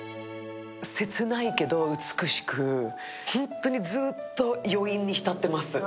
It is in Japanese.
切ないけど美しく、本当にずっと余韻に浸っています。